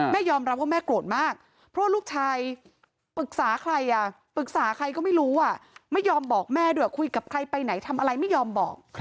ยอมรับว่าแม่โกรธมากเพราะลูกชายปรึกษาใครอ่ะปรึกษาใครก็ไม่รู้ไม่ยอมบอกแม่ด้วยคุยกับใครไปไหนทำอะไรไม่ยอมบอก